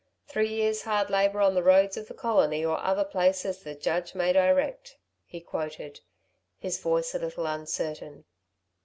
"Three years hard labour on the roads of the Colony or other place as the judge may direct," he quoted, his voice a little uncertain.